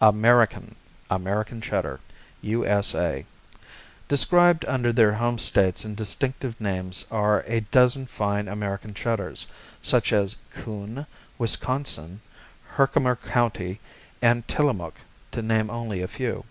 American, American Cheddar U.S.A. Described under their home states and distinctive names are a dozen fine American Cheddars, such as Coon, Wisconsin, Herkimer County and Tillamook, to name only a few.